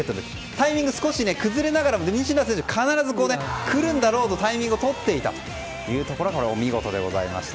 タイミングが少し崩れながらも西田選手も必ず来るだろうとタイミングを取っていたのがお見事でした。